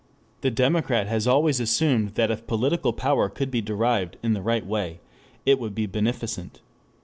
The democrat has always assumed that if political power could be derived in the right way, it would be beneficent.